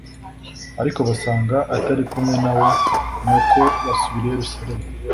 ariko basanga atari kumwe na bo Nuko basubira i Yerusalemu